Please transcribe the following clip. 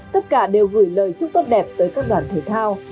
tất cả đều gửi lời chúc tốt đẹp tới các đoàn thể thao